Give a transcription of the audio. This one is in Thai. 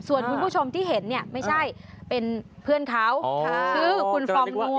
ส่วนคุณผู้ชมที่เห็นเนี่ยไม่ใช่เป็นเพื่อนเขาชื่อคุณฟองนัว